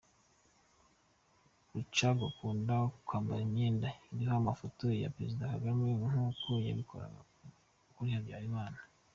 Rucagu akunda kwambara imyenda iriho amafoto ya Perezida Kagame nk’uko yabikoraga kuri Habyarimana.